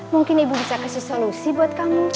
mungkin ibu bisa kasih solusi buat kamu